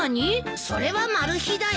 それはマル秘だよ。